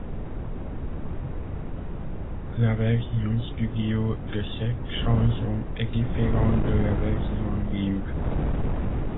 La version studio de cette chanson est différente de la version live.